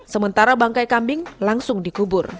sementara bangkai kambing langsung dikubur